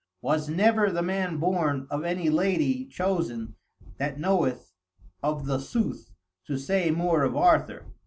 Was never the man born, of any lady chosen, that knoweth, of the sooth, to say more of Arthur.